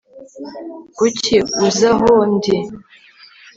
kuki uza aho ndi